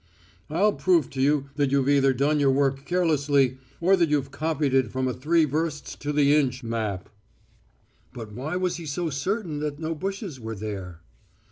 I'll prove to you that you've either done your work carelessly, or that you've copied it from a three versts to the inch map....'" "But why was he so certain that no bushes were there?"